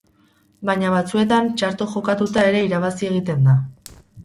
Baina batzuetan txarto jokatuta ere irabazi egiten da.